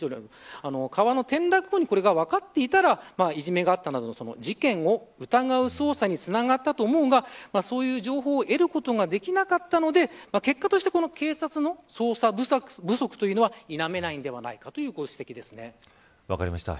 川の転落後にこれが分かっていたらいじめがあったなど事件を疑う捜査につながったと思うが、そういう情報を得ることができなかったので結果として警察の捜査不足というのは否めないんではないか分かりました。